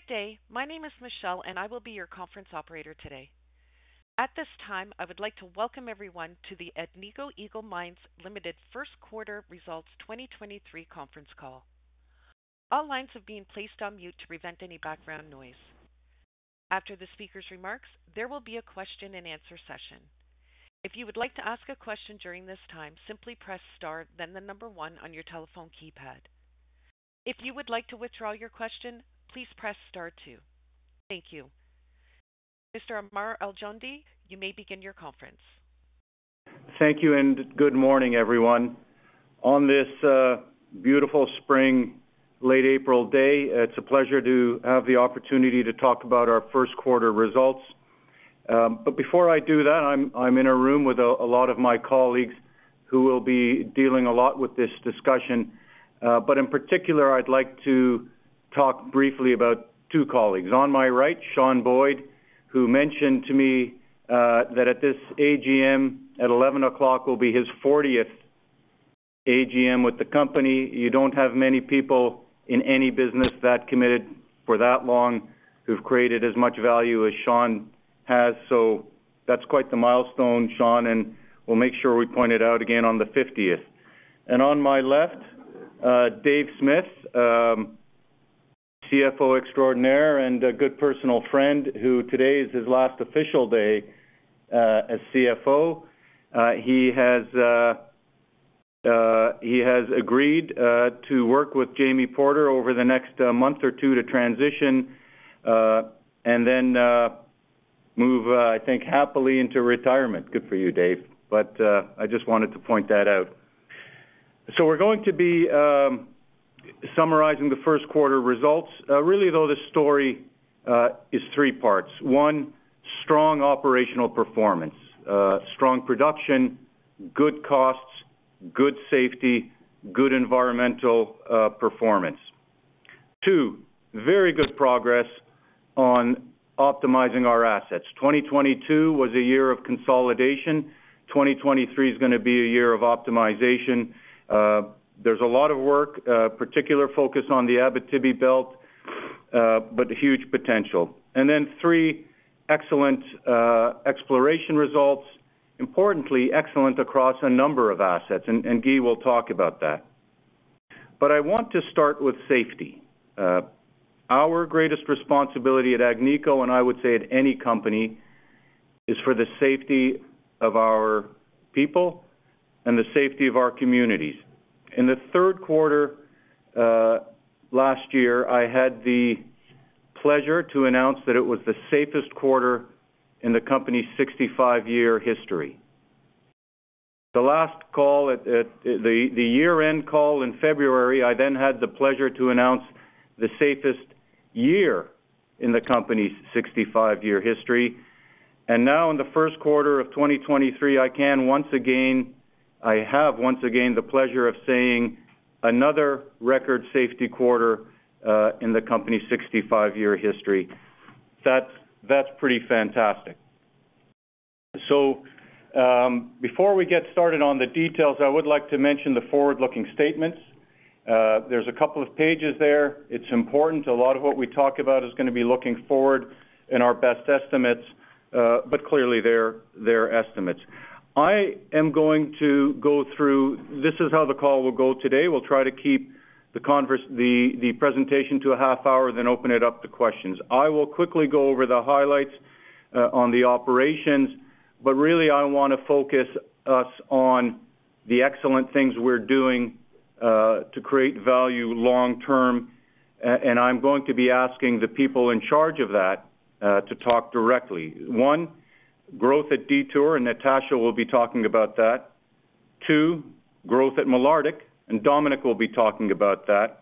Good day. My name is Michelle, I will be your conference operator today. At this time, I would like to welcome everyone to the Agnico Eagle Mines Limited First Quarter Results 2023 Conference Call. All lines have been placed on mute to prevent any background noise. After the speaker's remarks, there will be a Q&A session. If you would like to ask a question during this time, simply press star then one on your telephone keypad. If you would like to withdraw your question, please press star two. Thank you. Mr. Ammar Al-Joundi, you may begin your conference. Thank you and good morning, everyone. On this beautiful spring late April day, it's a pleasure to have the opportunity to talk about our first quarter results. Before I do that, I'm in a room with a lot of my colleagues who will be dealing a lot with this discussion. In particular, I'd like to talk briefly about two colleagues. On my right, Sean Boyd, who mentioned to me that at this AGM at 11:00 A.M. will be his 40th AGM with the company. You don't have many people in any business that committed for that long who've created as much value as Sean has. That's quite the milestone, Sean, and we'll make sure we point it out again on the 50th. On my left, Dave Smith, CFO extraordinaire and a good personal friend who today is his last official day as CFO. He has agreed to work with Jamie Porter over the next month or two to transition, and then move, I think happily into retirement. Good for you, Dave. I just wanted to point that out. We're going to be summarizing the first quarter results. Really, though, the story is three parts. One, strong operational performance, strong production, good costs, good safety, good environmental performance. Two, very good progress on optimizing our assets. 2022 was a year of consolidation. 2023 is gonna be a year of optimization. There's a lot of work, a particular focus on the Abitibi belt, but huge potential. Three, excellent exploration results, importantly excellent across a number of assets, and Guy will talk about that. I want to start with safety. Our greatest responsibility at Agnico, and I would say at any company, is for the safety of our people and the safety of our communities. In the third quarter last year, I had the pleasure to announce that it was the safest quarter in the company's 65-year history. The last call, the year-end call in February, I then had the pleasure to announce the safest year in the company's 65-year history. Now in the 1st quarter of 2023, I have once again the pleasure of saying another record safety quarter in the company's 65-year history. That's pretty fantastic. Before we get started on the details, I would like to mention the forward-looking statements. There's a couple of pages there. It's important. A lot of what we talk about is gonna be looking forward in our best estimates, but clearly they're estimates. This is how the call will go today. We'll try to keep the presentation to a half hour, then open it up to questions. I will quickly go over the highlights on the operations, but really I want to focus us on the excellent things we're doing to create value long term, and I'm going to be asking the people in charge of that, to talk directly. One, growth at Detour, and Natasha will be talking about that. Two, growth at Malartic, and Dominique will be talking about that.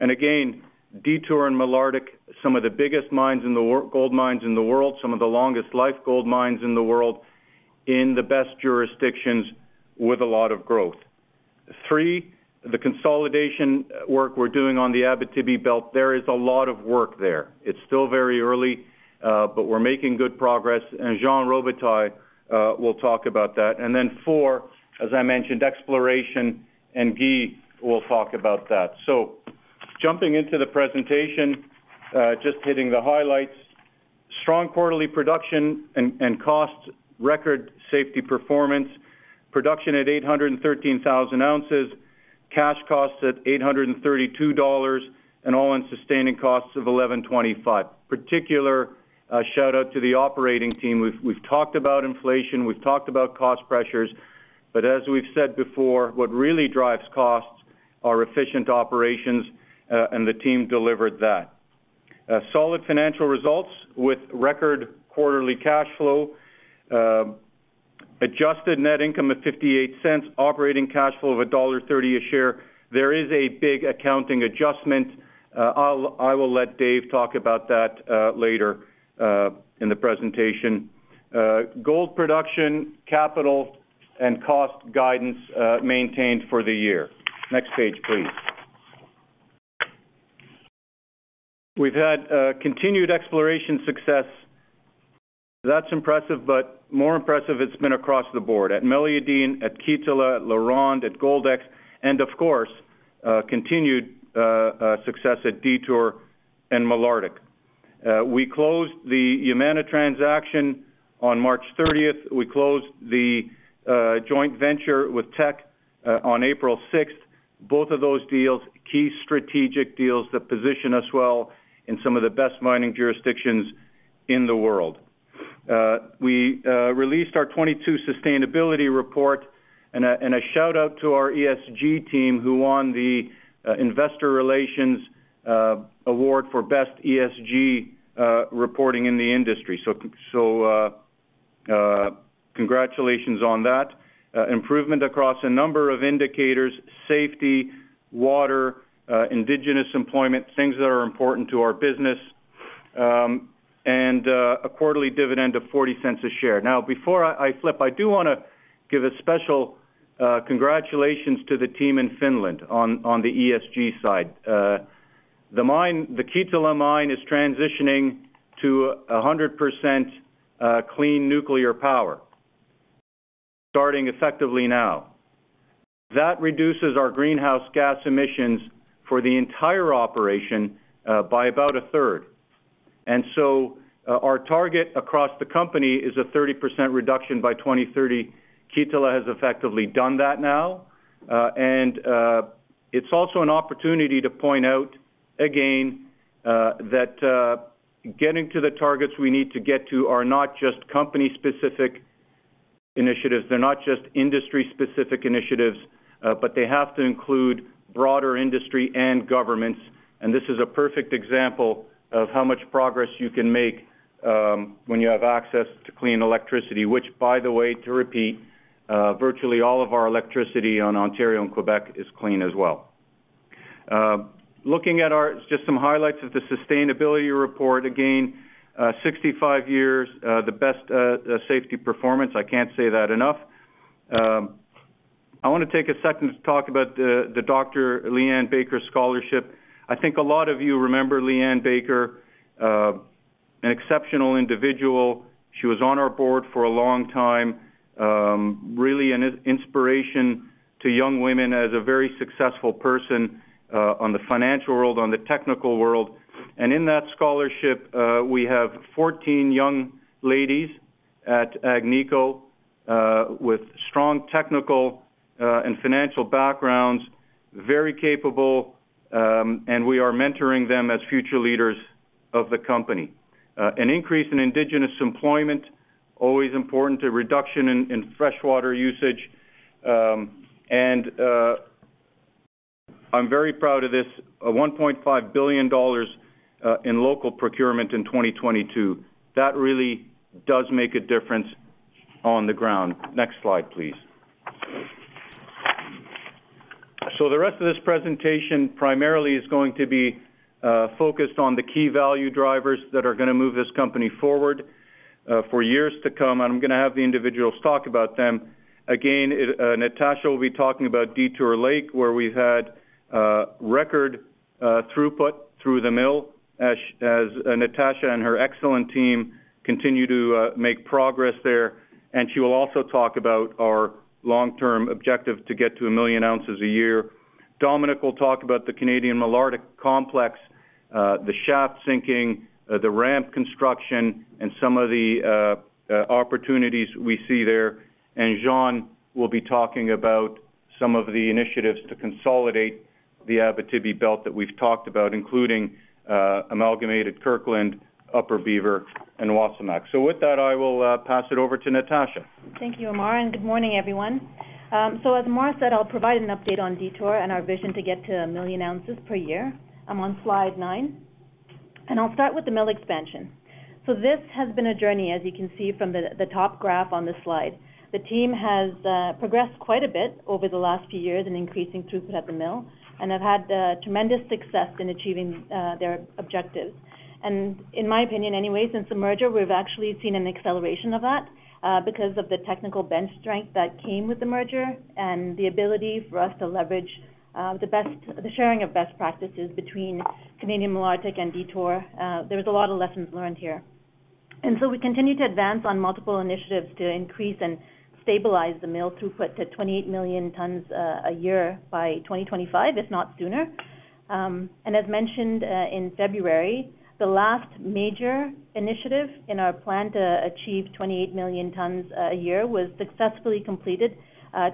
Again, Detour and Malartic, some of the biggest gold mines in the world, some of the longest life gold mines in the world, in the best jurisdictions with a lot of growth. Three, the consolidation work we're doing on the Abitibi belt, there is a lot of work there. It's still very early, but we're making good progress, and Jean Robitaille will talk about that. Four, as I mentioned, exploration, and Guy will talk about that. Jumping into the presentation, just hitting the highlights. Strong quarterly production and cost, record safety performance, production at 813,000 ounces, cash costs at $832, and all-in sustaining costs of $1,125. Particular shout-out to the operating team. We've talked about inflation, we've talked about cost pressures. As we've said before, what really drives costs are efficient operations, and the team delivered that. Solid financial results with record quarterly cash flow, adjusted net income of $0.58, operating cash flow of $1.30 a share. There is a big accounting adjustment. I will let Dave talk about that later in the presentation. Gold production, capital, and cost guidance maintained for the year. Next page, please. We've had continued exploration success. That's impressive, more impressive, it's been across the board, at Meliadine, at Kittilä, at LaRonde, at Goldex, and of course, continued success at Detour and Malartic. We closed the Yamana transaction on March 30th. We closed the joint venture with Teck on April 6th, both of those deals, key strategic deals that position us well in some of the best mining jurisdictions in the world. We released our 2022 sustainability report and a shout-out to our ESG team who won the Investor Relations Award for best ESG reporting in the industry. Congratulations on that. Improvement across a number of indicators, safety, water, Indigenous employment, things that are important to our business, and a quarterly dividend of $0.40 a share. Now, before I flip, I do wanna give a special congratulations to the team in Finland on the ESG side. The mine, the Kittilä mine is transitioning to 100% clean nuclear power, starting effectively now. That reduces our greenhouse gas emissions for the entire operation by about a third. Our target across the company is a 30% reduction by 2030. Kittilä has effectively done that now. It's also an opportunity to point out again that getting to the targets we need to get to are not just company-specific initiatives. They're not just industry-specific initiatives, but they have to include broader industry and governments. This is a perfect example of how much progress you can make when you have access to clean electricity, which by the way, to repeat, virtually all of our electricity on Ontario and Quebec is clean as well. Looking at just some highlights of the sustainability report. Again, 65 years, the best safety performance. I can't say that enough. I wanna take a second to talk about the Dr. Leanne Baker scholarship. I think a lot of you remember Leanne Baker, an exceptional individual. She was on our board for a long time, really an inspiration to young women as a very successful person, on the financial world, on the technical world. In that scholarship, we have 14 young ladies at Agnico, with strong technical and financial backgrounds, very capable, and we are mentoring them as future leaders of the company. An increase in Indigenous employment, always important. A reduction in freshwater usage. I'm very proud of this, $1.5 billion in local procurement in 2022. That really does make a difference on the ground. Next slide, please. The rest of this presentation primarily is going to be focused on the key value drivers that are gonna move this company forward for years to come, and I'm gonna have the individuals talk about them. Again, Natasha will be talking about Detour Lake, where we've had record throughput through the mill as Natasha and her excellent team continue to make progress there. She will also talk about our long-term objective to get to 1 million ounces a year. Dominique will talk about the Canadian Malartic complex, the shaft sinking, the ramp construction, and some of the opportunities we see there. Jean will be talking about some of the initiatives to consolidate the Abitibi Belt that we've talked about, including Amalgamated Kirkland, Upper Beaver, and Wasamac. With that, I will pass it over to Natasha. Thank you, Ammar, Good morning, everyone. As Ammar said, I'll provide an update on Detour and our vision to get to 1 million ounces per year. I'm on slide nine. I'll start with the mill expansion. This has been a journey, as you can see from the top graph on this slide. The team has progressed quite a bit over the last few years in increasing throughput at the mill, and have had tremendous success in achieving their objectives. In my opinion anyway, since the merger, we've actually seen an acceleration of that because of the technical bench strength that came with the merger and the ability for us to leverage the sharing of best practices between Canadian Malartic and Detour. There's a lot of lessons learned here. We continue to advance on multiple initiatives to increase and stabilize the mill throughput to 28 million tons a year by 2025, if not sooner. As mentioned in February, the last major initiative in our plan to achieve 28 million tons a year was successfully completed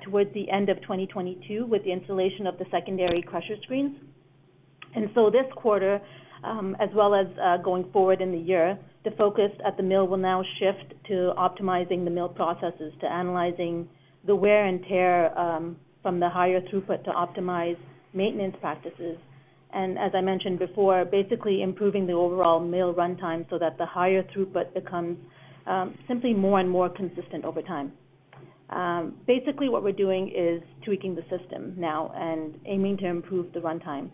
towards the end of 2022 with the installation of the secondary crusher screens. This quarter, as well as going forward in the year, the focus at the mill will now shift to optimizing the mill processes, to analyzing the wear and tear from the higher throughput to optimize maintenance practices, and as I mentioned before, basically improving the overall mill runtime so that the higher throughput becomes simply more and more consistent over time. Basically, what we're doing is tweaking the system now and aiming to improve the runtime,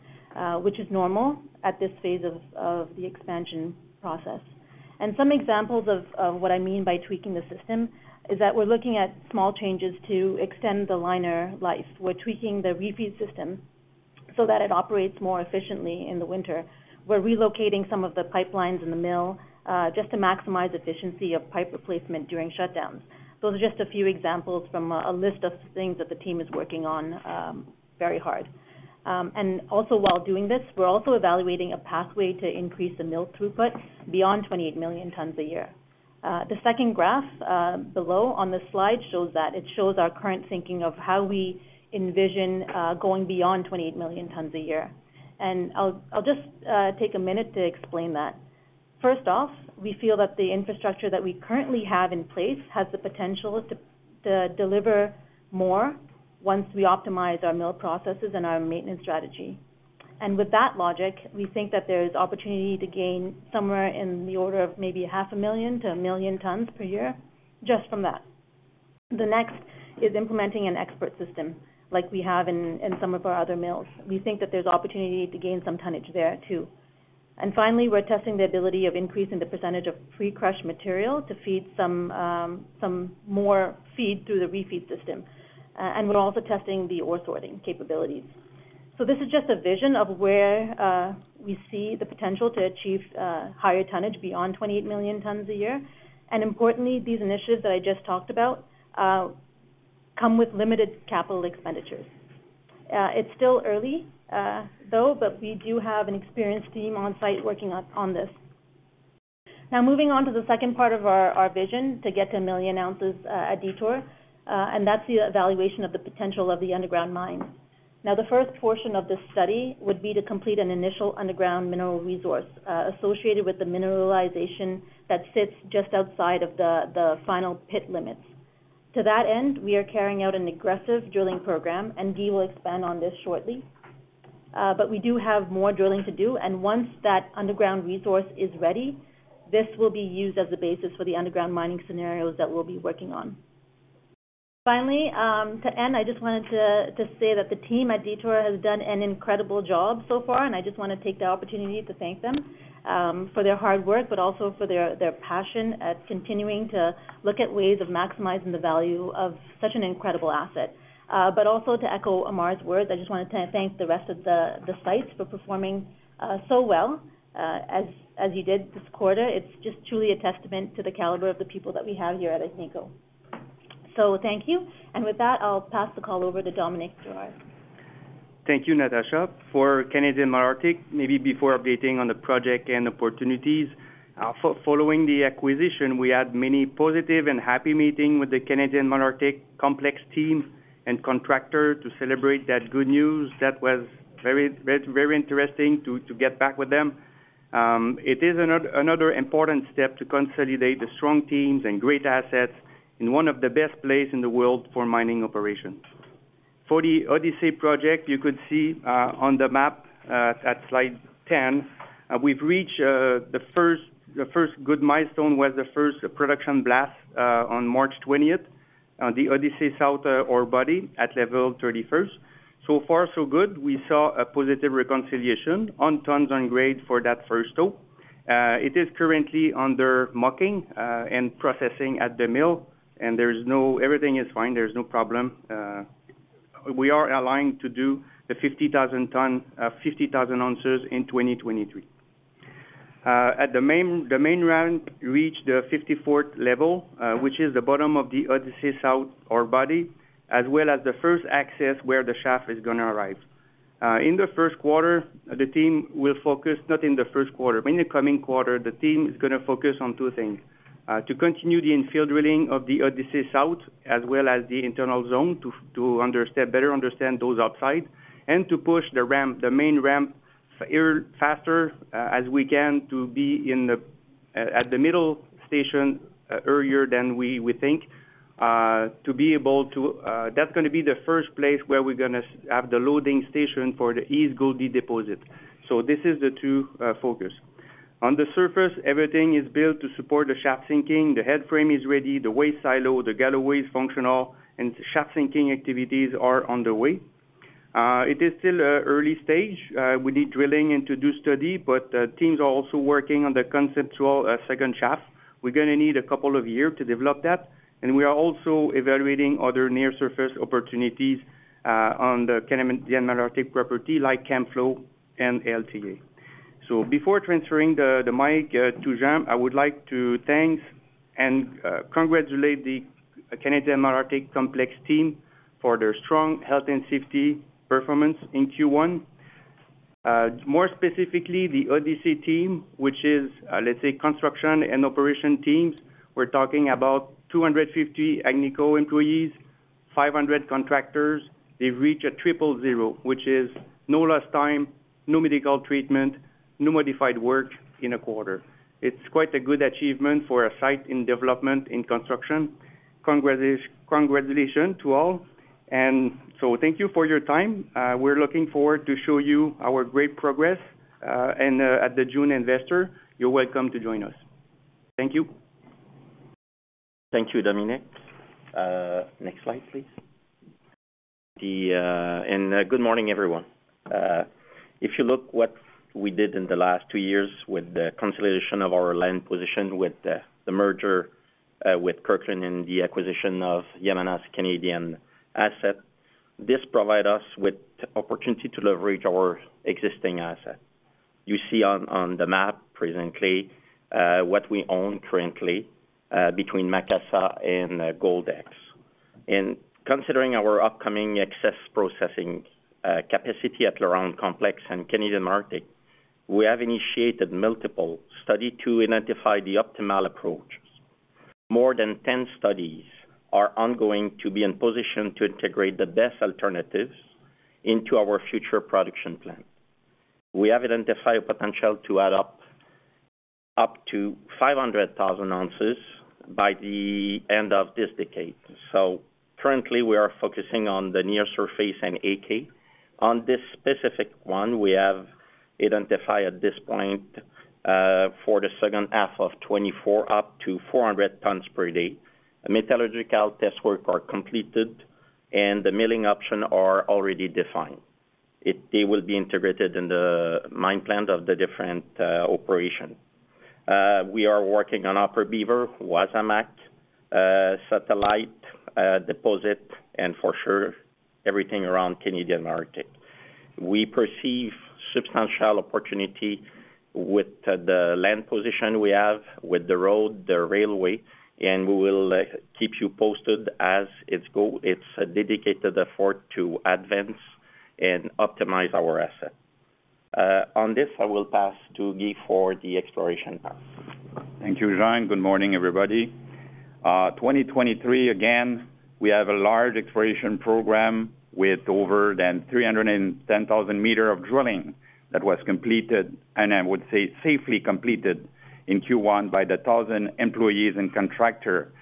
which is normal at this phase of the expansion process. Some examples of what I mean by tweaking the system is that we're looking at small changes to extend the liner life. We're tweaking the re-feed system so that it operates more efficiently in the winter, we're relocating some of the pipelines in the mill, just to maximize efficiency of pipe replacement during shutdowns. Those are just a few examples from a list of things that the team is working on very hard. Also while doing this, we're also evaluating a pathway to increase the mill throughput beyond 28 million tons a year. The second graph below on the slide shows that. It shows our current thinking of how we envision going beyond 28 million tons a year. I'll just take a minute to explain that. First off, we feel that the infrastructure that we currently have in place has the potential to deliver more once we optimize our mill processes and our maintenance strategy. With that logic, we think that there's opportunity to gain somewhere in the order of maybe 500,000 to 1,000,000 tons per year just from that. The next is implementing an expert system like we have in some of our other mills. We think that there's opportunity to gain some tonnage there too. Finally, we're testing the ability of increasing the percentage of pre-crushed material to feed some more feed through the re-feed system. We're also testing the ore sorting capabilities. This is just a vision of where we see the potential to achieve higher tonnage beyond 28 million tons a year. Importantly, these initiatives that I just talked about come with limited capital expenditures. It's still early, though, but we do have an experienced team on site working on this. Moving on to the second part of our vision to get to 1 million ounces at Detour, that's the evaluation of the potential of the underground mine. The first portion of this study would be to complete an initial underground mineral resource associated with the mineralization that sits just outside of the final pit limits. To that end, we are carrying out an aggressive drilling program, and Guy will expand on this shortly. We do have more drilling to do, and once that underground resource is ready, this will be used as the basis for the underground mining scenarios that we'll be working on. Finally, to end, I just wanted to say that the team at Detour has done an incredible job so far, and I just wanna take the opportunity to thank them for their hard work, but also for their passion at continuing to look at ways of maximizing the value of such an incredible asset. Also to echo Ammar's words, I just wanna thank the rest of the sites for performing so well as you did this quarter. It's just truly a testament to the caliber of the people that we have here at Agnico. Thank you. With that, I'll pass the call over to Dominique Girard. Thank you, Natasha. For Canadian Malartic, maybe before updating on the project and opportunities, following the acquisition, we had many positive and happy meeting with the Canadian Malartic complex team and contractor to celebrate that good news. That was very interesting to get back with them. It is another important step to consolidate the strong teams and great assets in one of the best place in the world for mining operations. For the Odyssey project, you could see on the map at slide 10, we've reached the first good milestone was the first production blast on March 20th, the Odyssey South ore body at level 31st. So far so good. We saw a positive reconciliation on tons on grade for that first tote. It is currently under mocking and processing at the mill, and there's no. Everything is fine. There's no problem. We are aligned to do the 50,000 ton, 50,000 ounces in 2023. At the main, the main ramp reached the 54th level, which is the bottom of the Odyssey South ore body, as well as the first access where the shaft is gonna arrive. In the first quarter, the team will focus. Not in the first quarter. In the coming quarter, the team is gonna focus on two things, to continue the infill drilling of the Odyssey South, as well as the internal zone to understand, better understand those upside, and to push the ramp, the main ramp faster, as we can to be in the, at the middle station earlier than we think, to be able to. That's gonna be the first place where we're gonna have the loading station for the East Gouldie deposit. This is the two focus. On the surface, everything is built to support the shaft sinking. The headframe is ready, the waste silo, the galloways functional, and shaft sinking activities are on the way. It is still early stage. We need drilling and to do study, but teams are also working on the conceptual second shaft. We're gonna need a couple of year to develop that, and we are also evaluating other near surface opportunities on the Canadian Malartic property like Camflo and LTA. Before transferring the mic to Jean, I would like to thank and congratulate the Canadian Malartic complex team for their strong health and safety performance in Q1. More specifically, the Odyssey team, which is, let's say, construction and operation teams. We're talking about 250 Agnico employees, 500 contractors. They've reached a triple zero, which is no lost time, no medical treatment, no modified work in a quarter. It's quite a good achievement for a site in development, in construction. Congratulation to all. Thank you for your time. We're looking forward to show you our great progress, at the June investor, you're welcome to join us. Thank you. Thank you, Dominique. Next slide, please. Good morning, everyone. If you look what we did in the last two years with the consolidation of our land position, with the merger with Kirkland and the acquisition of Yamana's Canadian asset, this provide us with opportunity to leverage our existing asset. You see on the map presently what we own currently between Macassa and Goldex. Considering our upcoming excess processing capacity at LaRonde Complex and Canadian Malartic, we have initiated multiple study to identify the optimal approach. More than 10 studies are ongoing to be in position to integrate the best alternatives into our future production plan. We have identified a potential to add up to 500,000 ounces by the end of this decade. Currently, we are focusing on the near surface and AK. On this specific one, we have identified at this point, for the second half of 2024, up to 400 tons per day. Metallurgical test work are completed, the milling option are already defined. They will be integrated in the mine plant of the different operation. We are working on Upper Beaver, Wasamac, Satellite deposit, for sure, everything around Canadian Malartic. We perceive substantial opportunity with the land position we have with the road, the railway, and we will keep you posted as it go. It's a dedicated effort to advance and optimize our asset. On this, I will pass to Guy for the exploration path. Thank you, Jean. Good morning, everybody. 2023, again, we have a large exploration program with over than 310,000 meter of drilling that was completed, I would say safely completed in Q1 by the 1,000 employees and contractor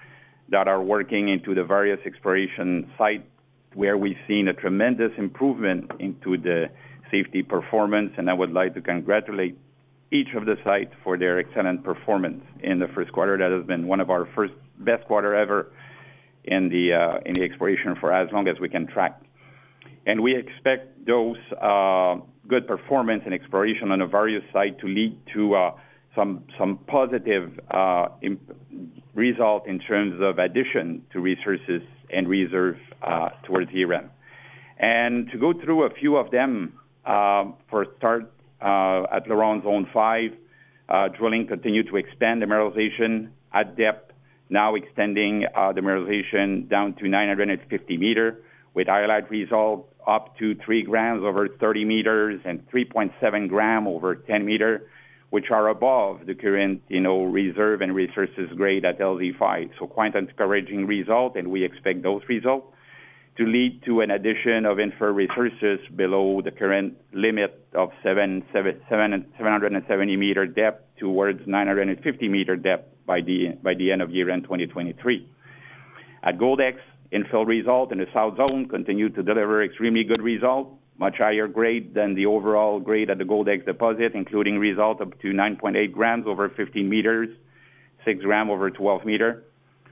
that are working into the various exploration site, where we've seen a tremendous improvement into the safety performance. I would like to congratulate each of the site for their excellent performance in the first quarter. That has been one of our first best quarter ever in the exploration for as long as we can track. We expect those good performance and exploration on a various site to lead to some positive result in terms of addition to resources and reserve towards year-end. To go through a few of them, for start, at LaRonde Zone Five, drilling continued to expand the mineralization at depth, now extending the mineralization down to 950 meters with highlight result up to 3 grams over 30 meters and 3.7 grams over 10 meters, which are above the current, you know, reserve and resources grade at LZ5. Quite encouraging result, and we expect those results to lead to an addition of inferred resources below the current limit of 770 meters depth towards 950 meters depth by the end of year-end 2023. At Goldex, infill result in the South Zone continued to deliver extremely good result, much higher grade than the overall grade at the Goldex deposit, including result up to 9.8 grams over 15 meters, 6 grams over 12 meters,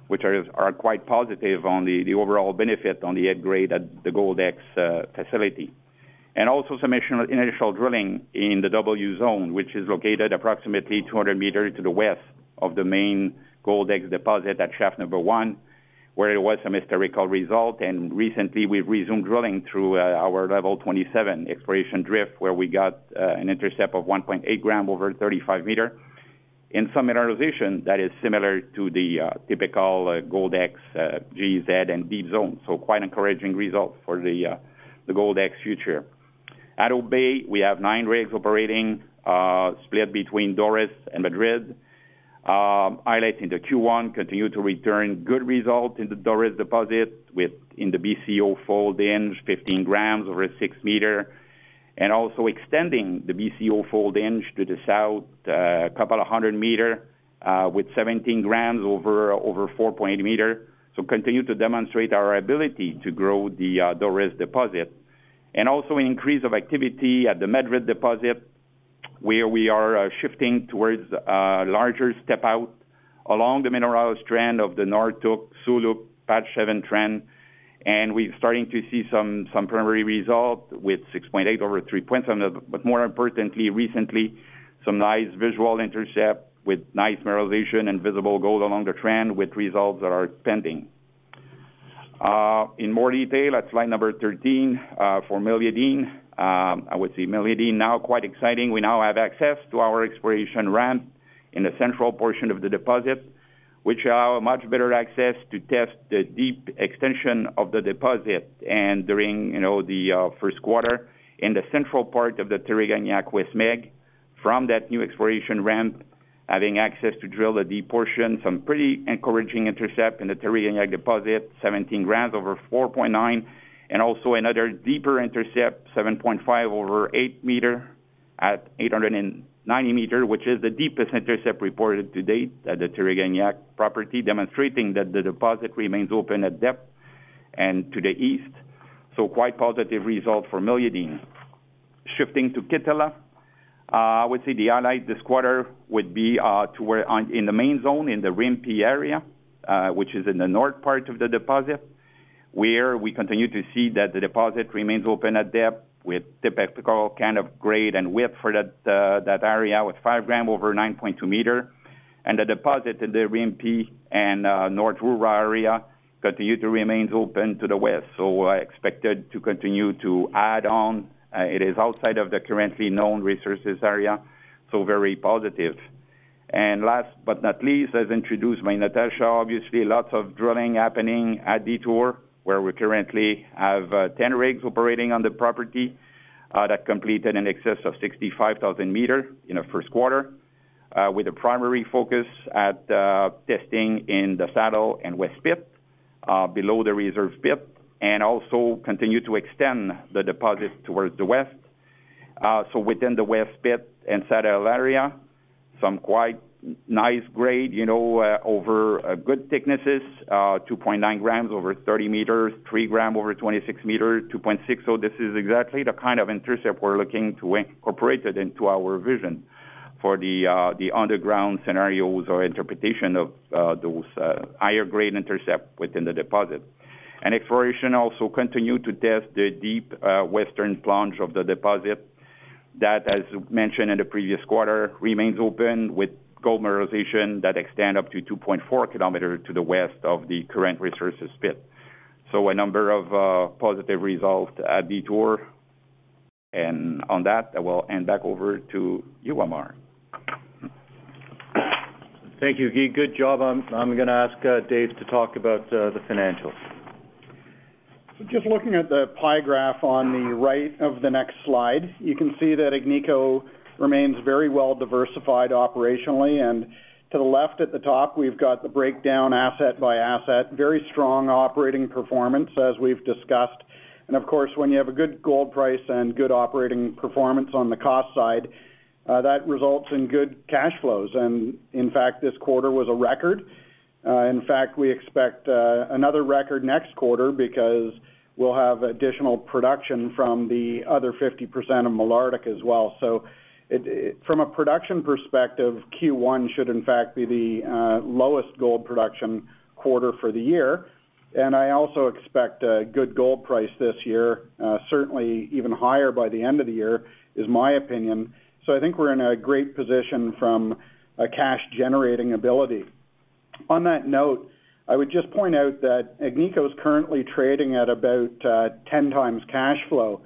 which are quite positive on the overall benefit on the head grade at the Goldex facility. Also some initial drilling in the W Zone, which is located approximately 200 meters to the west of the main Goldex deposit at shaft No. 1, where it was a mystical result. Recently, we've resumed drilling through our level 27 exploration drift, where we got an intercept of 1.8 grams over 35 meters in some mineralization that is similar to the typical Goldex GZ and Deep Zone. Quite encouraging results for the Goldex future. At Hope Bay, we have nine rigs operating, split between Doris and Madrid. Highlight into Q1 continued to return good results in the Doris deposit with, in the BCO fold hinge, 15 grams over 6 meters, and also extending the BCO fold hinge to the south, 200 meters, with 17 grams over 4.8 meters. Continue to demonstrate our ability to grow the Doris deposit. Also an increase of activity at the Madrid deposit, where we are shifting towards larger step-out along the mineral strand of the North Suluk-Patch 7 trend. We're starting to see some primary results with 6.8 over 3 points. More importantly, recently, some nice visual intercept with nice mineralization and visible gold along the trend with results that are pending. In more detail, at slide number 13, for Meliadine. I would say Meliadine now quite exciting. We now have access to our exploration ramp in the central portion of the deposit, which allow much better access to test the deep extension of the deposit. During, you know, the first quarter in the central part of the Tiriganiaq-Wesmeg, from that new exploration ramp, having access to drill a deep portion, some pretty encouraging intercept in the Tiriganiaq deposit, 17 grams over 4.9, and also another deeper intercept, 7.5 over 8 meters at 890 meters, which is the deepest intercept reported to date at the Tiriganiaq property, demonstrating that the deposit remains open at depth and to the east. Quite positive result for Meliadine. Shifting to Kittilä. I would see the highlight this quarter would be, in the main zone, in the Rimpi area, which is in the north part of the deposit, where we continue to see that the deposit remains open at depth with the typical kind of grade and width for that area with 5 gram over 9.2 meter. The deposit at the Rimpee and North Roura area continue to remains open to the west. Expected to continue to add on. It is outside of the currently known resources area, so very positive. Last but not least, as introduced by Natasha, obviously lots of drilling happening at Detour, where we currently have 10 rigs operating on the property, that completed in excess of 65,000 meter in the first quarter, with a primary focus at testing in the Saddle and West Pit, below the reserve pit, and also continue to extend the deposit towards the west. Within the West Pit and Saddle area, some quite nice grade, you know, over good thicknesses, 2.9 grams over 30 meters, 3 gram over 26 meters, 2.6. This is exactly the kind of intercept we're looking to incorporate it into our vision for the underground scenarios or interpretation of, those higher grade intercept within the deposit. Exploration also continue to test the deep western plunge of the deposit that, as mentioned in the previous quarter, remains open with gold mineralization that extend up to 2.4 km to the west of the current resources pit. A number of positive results at Detour. On that, I will hand back over to you, Amar. Thank you, Guy. Good job. I'm gonna ask Dave to talk about the financials. Just looking at the pie graph on the right of the next slide, you can see that Agnico remains very well diversified operationally. To the left at the top, we've got the breakdown asset by asset, very strong operating performance, as we've discussed. Of course, when you have a good gold price and good operating performance on the cost side, that results in good cash flows. In fact, this quarter was a record. In fact, we expect another record next quarter because we'll have additional production from the other 50% of Malartic as well. From a production perspective, Q1 should in fact be the lowest gold production quarter for the year. I also expect a good gold price this year, certainly even higher by the end of the year, is my opinion. I think we're in a great position from a cash generating ability. On that note, I would just point out that Agnico is currently trading at about 10x cash flow,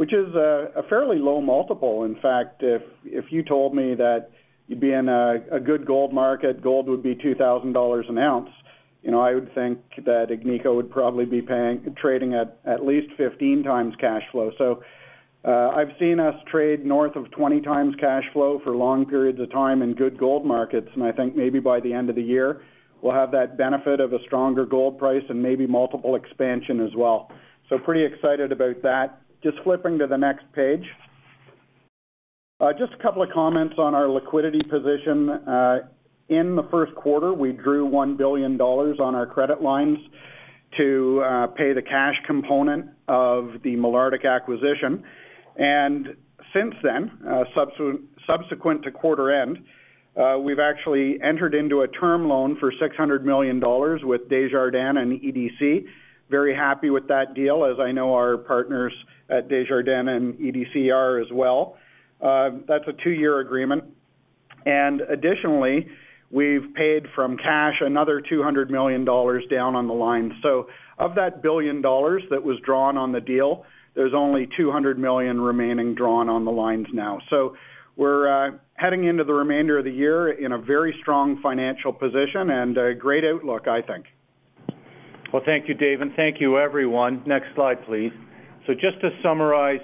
which is a fairly low multiple. In fact, if you told me that you'd be in a good gold market, gold would be $2,000 an ounce, you know, I would think that Agnico would probably be trading at least 15x cash flow. I've seen us trade north of 20x cash flow for long periods of time in good gold markets. And I think maybe by the end of the year, we'll have that benefit of a stronger gold price and maybe multiple expansion as well. Pretty excited about that. Just flipping to the next page. Just a couple of comments on our liquidity position. In the first quarter, we drew $1 billion on our credit lines to pay the cash component of the Malartic acquisition. Since then, subsequent to quarter end, we've actually entered into a term loan for $600 million with Desjardins and EDC. Very happy with that deal, as I know our partners at Desjardins and EDC are as well. That's a two-year agreement. Additionally, we've paid from cash another $200 million down on the line. Of that $1 billion that was drawn on the deal, there's only $200 million remaining drawn on the lines now. We're heading into the remainder of the year in a very strong financial position and a great outlook, I think. Thank you, Dave, and thank you everyone. Next slide, please. Just to summarize,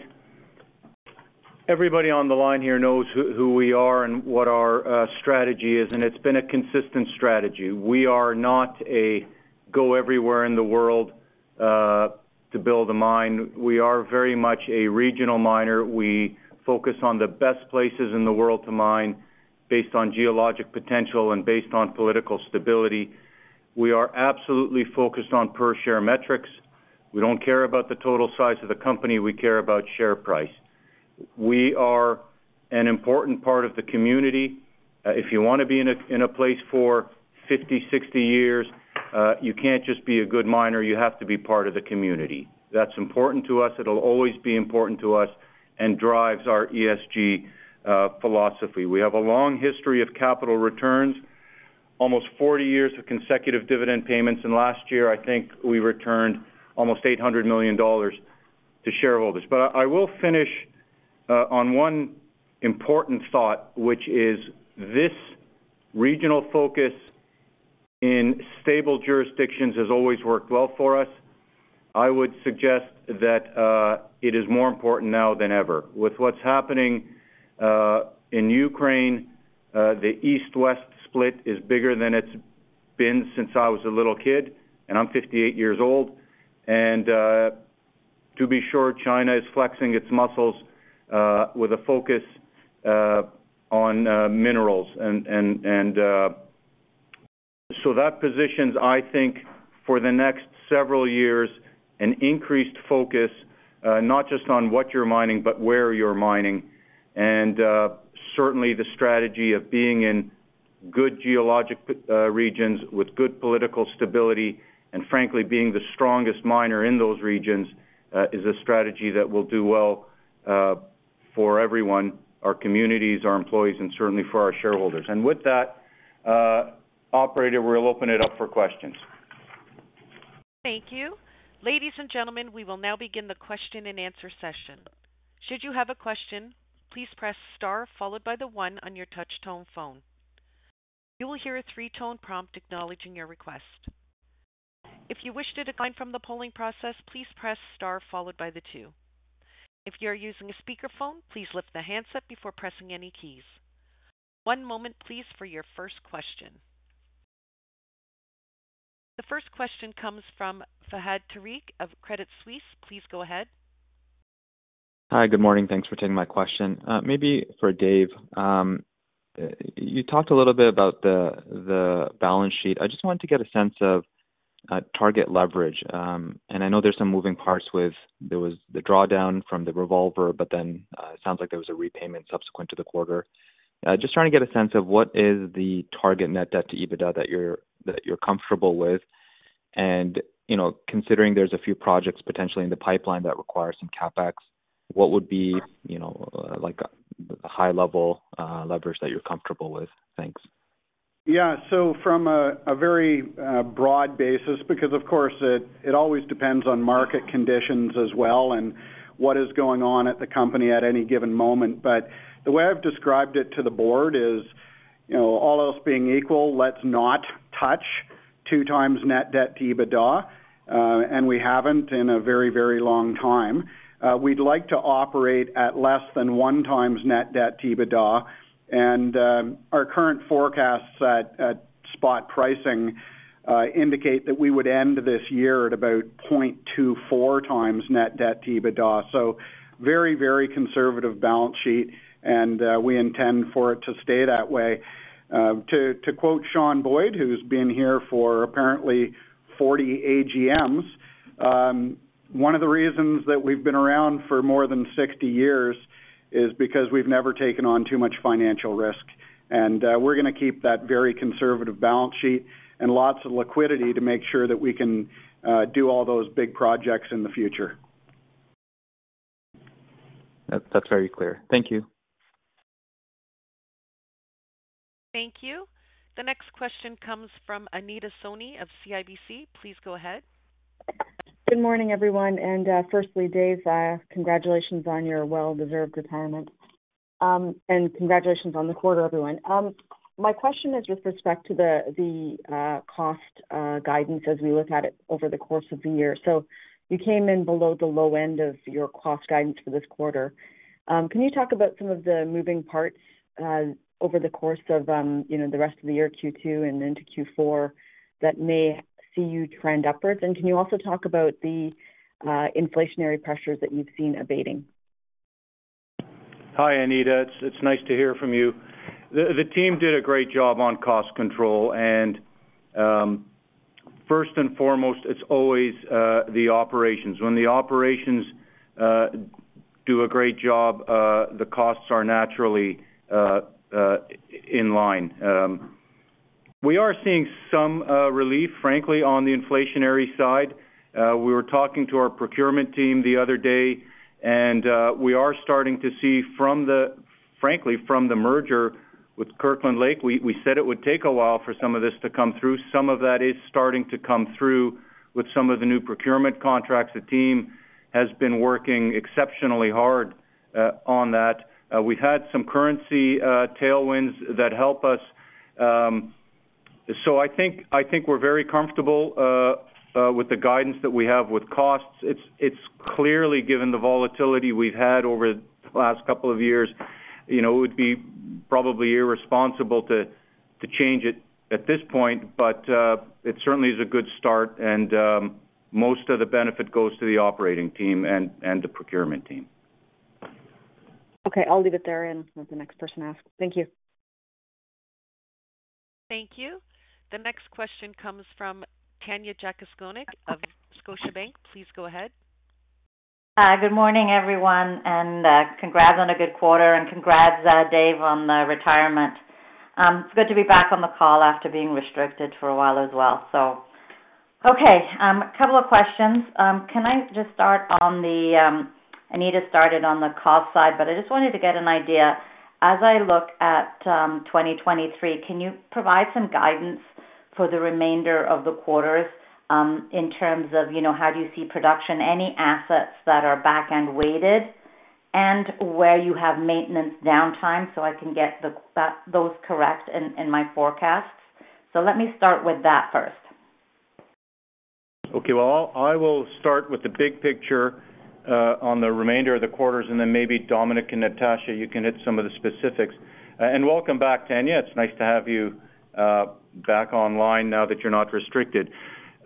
everybody on the line here knows who we are and what our strategy is, and it's been a consistent strategy. We are not a go everywhere in the world to build a mine. We are very much a regional miner. We focus on the best places in the world to mine based on geologic potential and based on political stability. We are absolutely focused on per share metrics. We don't care about the total size of the company, we care about share price. We are an important part of the community. If you want to be in a place for 50, 60 years, you can't just be a good miner, you have to be part of the community. That's important to us. It'll always be important to us and drives our ESG philosophy. We have a long history of capital returns, almost 40 years of consecutive dividend payments. Last year, I think we returned almost $800 million to shareholders. I will finish on one important thought, which is this regional focus in stable jurisdictions has always worked well for us. I would suggest that it is more important now than ever. With what's happening in Ukraine, the East-West split is bigger than it's been since I was a little kid, and I'm 58 years old. To be sure China is flexing its muscles with a focus on minerals. That positions, I think, for the next several years, an increased focus not just on what you're mining, but where you're mining. Certainly the strategy of being in good geologic regions with good political stability and frankly, being the strongest miner in those regions is a strategy that will do well for everyone, our communities, our employees, and certainly for our shareholders. With that, operator, we'll open it up for questions. Thank you. Ladies and gentlemen, we will now begin the Q&A session. Should you have a question, please press star followed by the one on your touch tone phone. You will hear a three-tone prompt acknowledging your request. If you wish to decline from the polling process, please press star followed by the two. If you're using a speakerphone, please lift the handset before pressing any keys. One moment please for your first question. The first question comes from Fahad Tariq of Credit Suisse. Please go ahead. Hi. Good morning. Thanks for taking my question. Maybe for Dave. You talked a little bit about the balance sheet. I just wanted to get a sense of target leverage. I know there's some moving parts with. There was the drawdown from the revolver, but then it sounds like there was a repayment subsequent to the quarter. Just trying to get a sense of what is the target net debt to EBITDA that you're comfortable with. Considering there's a few projects potentially in the pipeline that require some CapEx, what would be, you know, like a high level leverage that you're comfortable with? Thanks. Yeah. From a very broad basis, because of course it always depends on market conditions as well and what is going on at the company at any given moment. The way I've described it to the board is, you know, all else being equal, let's not touch 2 times net debt to EBITDA, and we haven't in a very, very long time. We'd like to operate at less than 1 times net debt to EBITDA. Our current forecasts at spot pricing, indicate that we would end this year at about 0.24 times net debt to EBITDA. Very, very conservative balance sheet, and we intend for it to stay that way. To, to quote Sean Boyd, who's been here for apparently 40 AGMs, one of the reasons that we've been around for more than 60 years is because we've never taken on too much financial risk. We're gonna keep that very conservative balance sheet and lots of liquidity to make sure that we can do all those big projects in the future. That's very clear. Thank you. Thank you. The next question comes from Anita Soni of CIBC. Please go ahead. Good morning, everyone. Firstly, Dave, congratulations on your well-deserved retirement. Congratulations on the quarter, everyone. My question is with respect to the cost guidance as we look at it over the course of the year. You came in below the low end of your cost guidance for this quarter. Can you talk about some of the moving parts over the course of, you know, the rest of the year, Q2 and then to Q4, that may see you trend upwards? Can you also talk about the inflationary pressures that you've seen abating? Hi, Anita. It's nice to hear from you. The team did a great job on cost control. First and foremost, it's always the operations. When the operations do a great job, the costs are naturally in line. We are seeing some relief, frankly, on the inflationary side. We were talking to our procurement team the other day, we are starting to see frankly from the merger with Kirkland Lake, we said it would take a while for some of this to come through. Some of that is starting to come through with some of the new procurement contracts. The team has been working exceptionally hard on that. We had some currency tailwinds that help us. I think we're very comfortable with the guidance that we have with costs. It's clearly given the volatility we've had over the last couple of years. You know, it would be probably irresponsible to change it at this point, but it certainly is a good start, and most of the benefit goes to the operating team and the procurement team. Okay. I'll leave it there and let the next person ask. Thank you. Thank you. The next question comes from Tanya Jakusconek of Scotiabank. Please go ahead. Hi. Good morning, everyone, and congrats on a good quarter and congrats, Dave, on the retirement. It's good to be back on the call after being restricted for a while as well. Okay, a couple of questions. Can I just start on the Anita started on the cost side. I just wanted to get an idea. As I look at 2023, can you provide some guidance for the remainder of the quarters, in terms of, you know, how do you see production, any assets that are back-end weighted and where you have maintenance downtime so I can get those correct in my forecast? Let me start with that first. Okay. Well, I will start with the big picture on the remainder of the quarters and then maybe Dominique and Natasha, you can hit some of the specifics. Welcome back, Tanya. It's nice to have you back online now that you're not restricted.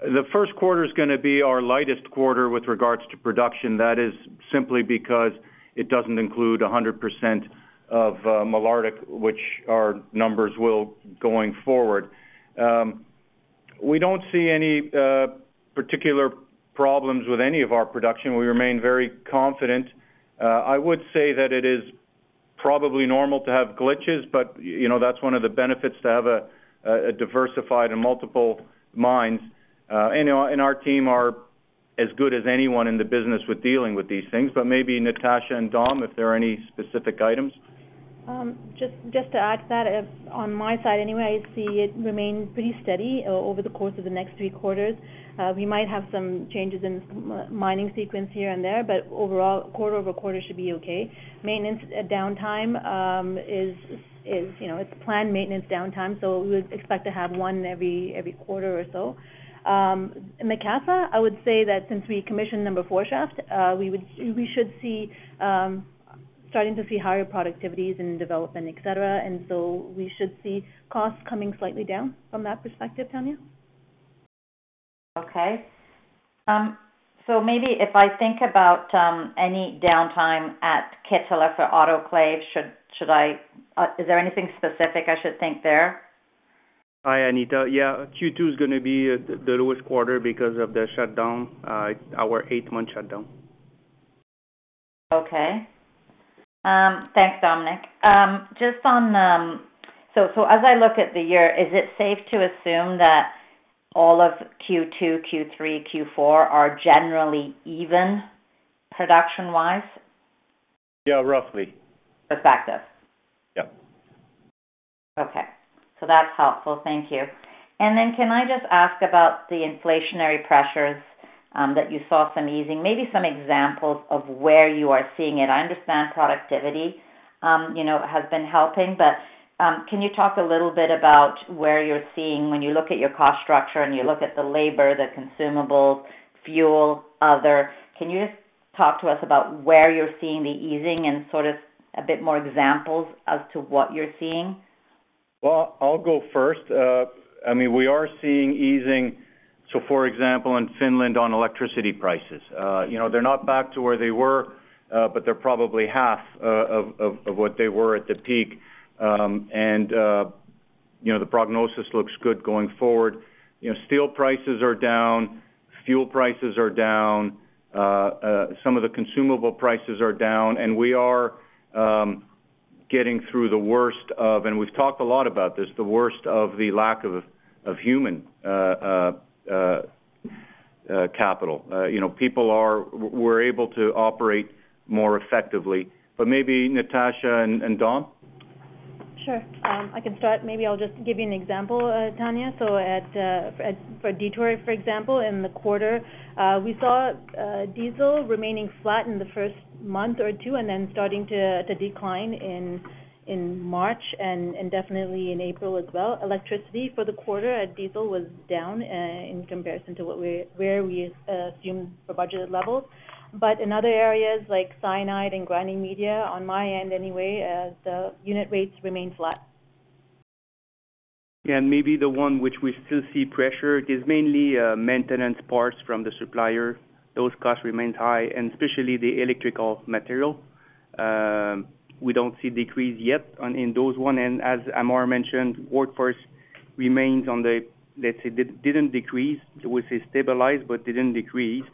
The first quarter is gonna be our lightest quarter with regards to production. That is simply because it doesn't include 100% of Malartic, which our numbers will going forward. We don't see any particular problems with any of our production. We remain very confident. I would say that it is probably normal to have glitches, but, you know, that's one of the benefits to have a diversified and multiple mines. Our team are as good as anyone in the business with dealing with these things. Maybe Natasha and Dom, if there are any specific items. Just to add to that, if on my side anyway, I see it remains pretty steady over the course of the next three quarters. We might have some changes in mining sequence here and there, but overall, quarter-over-quarter should be okay. Maintenance downtime is, you know, it's planned maintenance downtime, so we would expect to have one every quarter or so. In Macassa, I would say that since we commissioned #4 Shaft, we should see starting to see higher productivities in development, et cetera. We should see costs coming slightly down from that perspective, Tanya. Okay. Maybe if I think about any downtime at Kittilä for autoclave, should I? Is there anything specific I should think there? Hi, Anita. Yeah. Q2 is gonna be the lowest quarter because of the shutdown, our 8-month shutdown. Okay. Thanks, Dominique. Just on, as I look at the year, is it safe to assume that all of Q2, Q3, Q4 are generally even production-wise? Yeah, roughly. Effective. Yeah. That's helpful. Thank you. Can I just ask about the inflationary pressures that you saw some easing, maybe some examples of where you are seeing it. I understand productivity, you know, has been helping. Can you talk a little bit about where you're seeing when you look at your cost structure and you look at the labor, the consumables, fuel, other, can you just talk to us about where you're seeing the easing and sort of a bit more examples as to what you're seeing? Well, I'll go first. I mean, we are seeing easing, so for example, in Finland on electricity prices. You know, they're not back to where they were, but they're probably half of what they were at the peak. You know, the prognosis looks good going forward. You know, steel prices are down, fuel prices are down, some of the consumable prices are down, and we are getting through the worst of, and we've talked a lot about this, the worst of the lack of human capital. You know, we're able to operate more effectively. Maybe Natasha and Dom. Sure. I can start. Maybe I'll just give you an example, Tanya. At, for Detour, for example, in the quarter, we saw diesel remaining flat in the 1st month or 2, and then starting to decline in March and definitely in April as well. Electricity for the quarter at diesel was down in comparison to where we assumed for budgeted levels. In other areas like cyanide and grinding media, on my end anyway, the unit rates remain flat. Maybe the one which we still see pressure is mainly maintenance parts from the supplier. Those costs remain high, and especially the electrical material. We don't see decrease yet, in those one. As Ammar mentioned, workforce remains on the, let's say, didn't decrease. We say stabilize, but didn't decrease.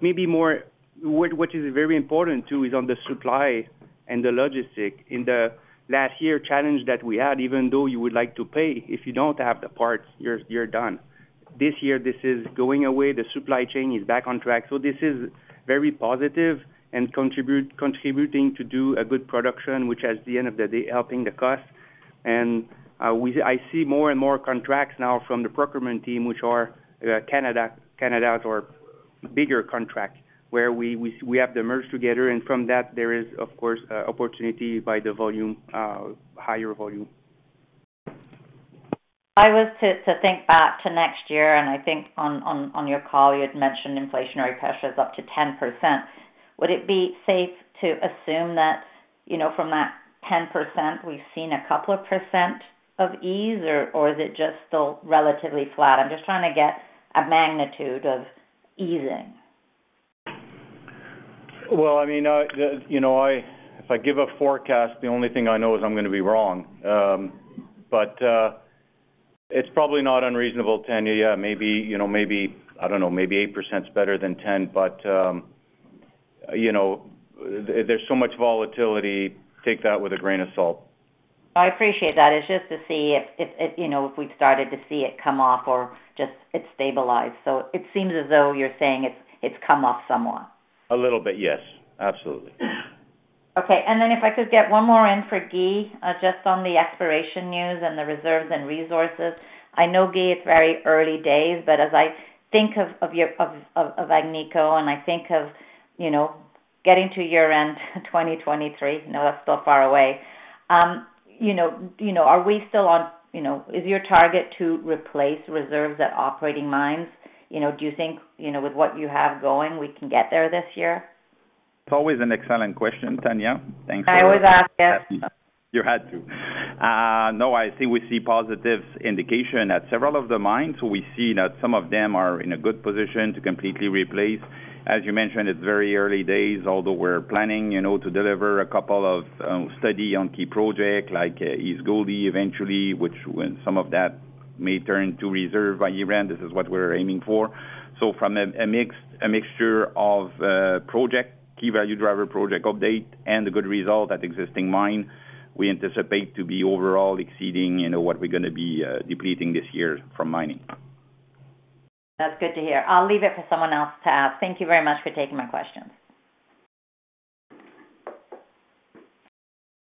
Maybe what is very important, too, is on the supply and the logistic. In the last year challenge that we had, even though you would like to pay, if you don't have the parts, you're done. This year, this is going away. The supply chain is back on track. This is very positive and contributing to do a good production, which at the end of the day, helping the cost. I see more and more contracts now from the procurement team, which are Canada or bigger contract, where we have them merged together. From that, there is, of course, opportunity by the volume, higher volume. If I was to think back to next year, I think on your call, you had mentioned inflationary pressures up to 10%, would it be safe to assume that, you know, from that 10%, we've seen a couple of percent of ease or is it just still relatively flat? I'm just trying to get a magnitude of easing. Well, I mean, you know, if I give a forecast, the only thing I know is I'm gonna be wrong. It's probably not unreasonable, Tanya. Yeah, maybe, you know, maybe, I don't know, maybe 8% is better than 10. You know, there's so much volatility, take that with a grain of salt. I appreciate that. It's just to see if, you know, if we've started to see it come off or just it's stabilized. It seems as though you're saying it's come off somewhat. A little bit, yes. Absolutely. Okay. If I could get one more in for Guy, just on the exploration news and the reserves and resources. I know, Guy, it's very early days, but as I think of Agnico, and I think of, you know, getting to year-end 2023, I know that's still far away, you know, are we still on, is your target to replace reserves at operating mines? You know, do you think, with what you have going, we can get there this year? It's always an excellent question, Tanya. I always ask it. You had to. No, I think we see positive indication at several of the mines. We see that some of them are in a good position to completely replace. As you mentioned, it's very early days, although we're planning, you know, to deliver a couple of study on key project like East Gouldie eventually, which when some of that may turn to reserve by year-end, this is what we're aiming for. From a mixture of project, key value driver project update and a good result at existing mine, we anticipate to be overall exceeding, you know, what we're gonna be depleting this year from mining. That's good to hear. I'll leave it for someone else to ask. Thank you very much for taking my questions.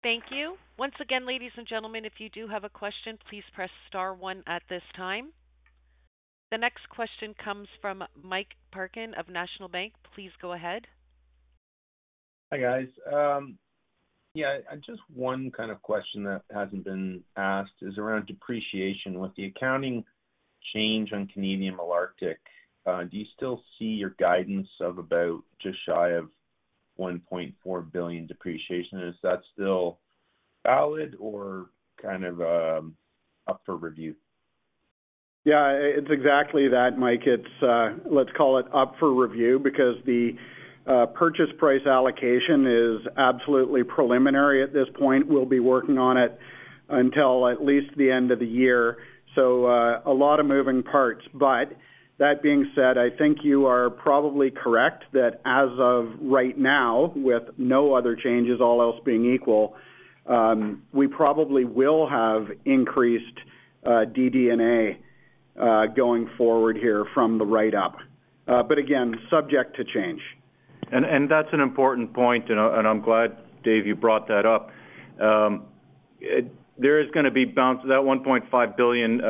Thank you. Once again, ladies and gentlemen, if you do have a question, please press star one at this time. The next question comes from Mike Parkin of National Bank. Please go ahead. Hi, guys. Yeah, just one kind of question that hasn't been asked is around depreciation. With the accounting change on Canadian Malartic, do you still see your guidance of about just shy of $1.4 billion depreciation? Is that still valid or kind of, up for review? Yeah, it's exactly that, Mike. It's, let's call it up for review because the purchase price allocation is absolutely preliminary at this point. We'll be working on it until at least the end of the year. A lot of moving parts. That being said, I think you are probably correct that as of right now, with no other changes, all else being equal, we probably will have increased DD&A going forward here from the write-up. Again, subject to change. That's an important point, and I'm glad, Dave, you brought that up. There is gonna be bounce. That $1.5 billion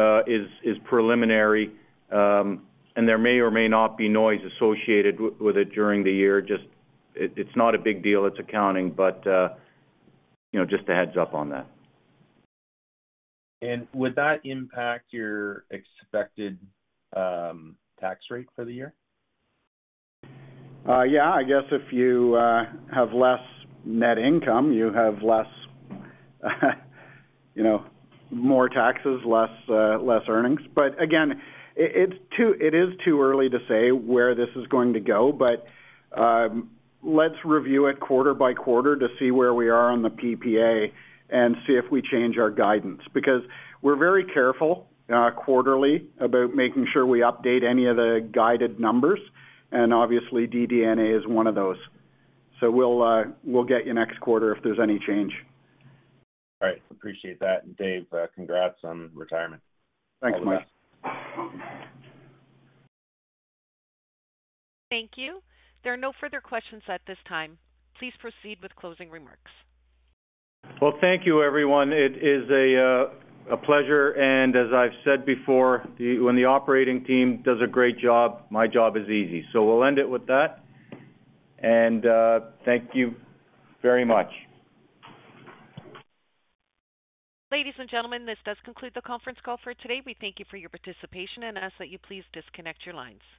is preliminary, and there may or may not be noise associated with it during the year. Just it's not a big deal, it's accounting, but, you know, just a heads up on that. Would that impact your expected tax rate for the year? Yeah, I guess if you have less net income, you have less, you know, more taxes, less, less earnings. Again, it is too early to say where this is going to go, let's review it quarter by quarter to see where we are on the PPA and see if we change our guidance. We're very careful quarterly about making sure we update any of the guided numbers, and obviously DD&A is one of those. We'll get you next quarter if there's any change. All right. Appreciate that. Dave, congrats on retirement. Thanks, Mike. Thank you. There are no further questions at this time. Please proceed with closing remarks. Well, thank you everyone. It is a pleasure. As I've said before, when the operating team does a great job, my job is easy. We'll end it with that, and thank you very much. Ladies and gentlemen, this does conclude the conference call for today. We thank you for your participation and ask that you please disconnect your lines.